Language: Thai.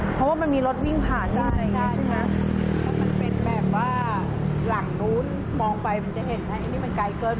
เพราะว่ามันมีรถวิ่งผ่านได้ใช่ไหมใช่ครับมันเป็นแบบว่าหลังนู้นมองไปมันจะเห็นไหม